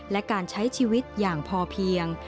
และการใช้ชีวิตอย่างพอเพียง